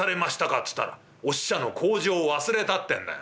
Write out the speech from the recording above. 「っつったらお使者の口上を忘れたってんだよ。